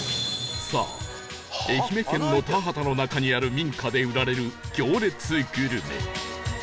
さあ愛媛県の田畑の中にある民家で売られる行列グルメ